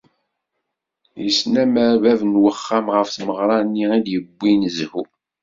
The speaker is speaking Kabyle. Yesnamer bab n wexxam ɣef tmeɣra-nni i d-yewwin zzhu.